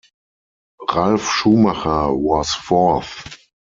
Ralf Schumacher was fourth.